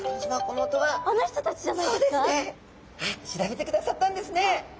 調べてくださったんですね。